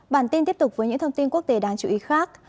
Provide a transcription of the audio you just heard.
bản tin tiếp tục với những thông tin quốc tế đáng chú ý khác